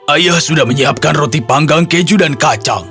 ayah sudah menyiapkan roti panggang keju dan kacang